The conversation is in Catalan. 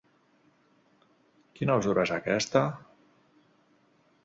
Quina usura és aquesta!